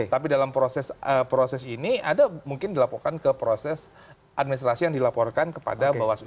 tapi dalam proses ini ada mungkin dilaporkan ke proses administrasi yang dilaporkan kepada bawaslu